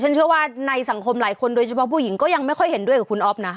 เชื่อว่าในสังคมหลายคนโดยเฉพาะผู้หญิงก็ยังไม่ค่อยเห็นด้วยกับคุณอ๊อฟนะ